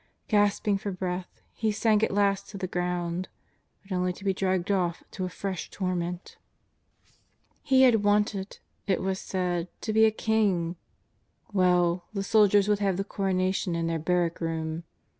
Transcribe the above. Gasping for breath. He sank at last to the ground, but only to be dragged off to a fresh torment. JESUS OF NAZARETK. 353 He had wanted, it was said, to be a King; well, the soldiers would have the coronation in their barrack room.